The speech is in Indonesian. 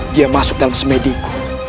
dia masuk dalam semediku